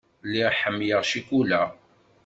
Lliɣ ḥemmleɣ ccikula.